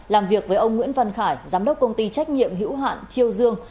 làm việc với ông nguyễn văn khải giám đốc công ty trách nhiệm hữu hạn triều dương